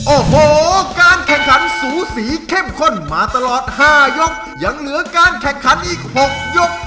โอ้โหการแข่งขันสูสีเข้มข้นมาตลอดห้ายกยังเหลือการแข่งขันอีก๖ยก